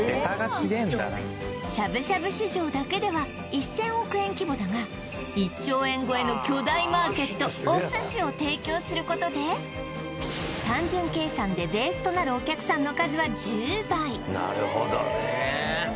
しゃぶしゃぶ市場だけでは１０００億円規模だが１兆円超えの巨大マーケットお寿司を提供することで単純計算でなるほどね